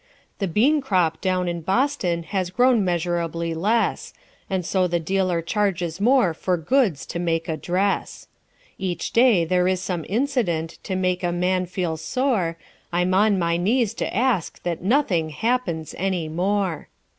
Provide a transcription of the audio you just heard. The bean crop down at Boston has grown measurably less, And so the dealer charges more for goods to make a dress. Each day there is some incident to make a man feel sore, I'm on my knees to ask that nothing happens any more.